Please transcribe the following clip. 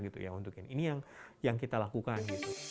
ini yang kita lakukan